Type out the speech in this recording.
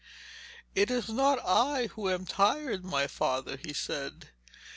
'It is not I who am tired, my father,' he said.